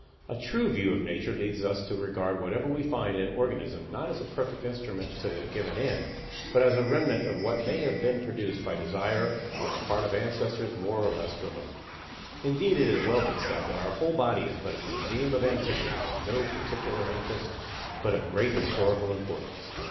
A true view of Nature leads us to regard whatever we find in an organism not as a perfect instrument to a given end, but as a remnant of what may have been produced by desire on the part of ancestors more or less remote. Indeed, it has well been said that our whole body is but a museum of antiquity of no practical interest, but of great historical importance.